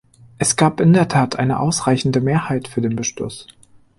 Es gab in der Tat eine ausreichende Mehrheit für den Beschluss.